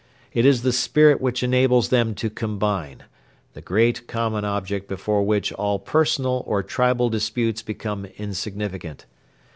It is the spirit which enables them to combine the great common object before which all personal or tribal disputes become insignificant.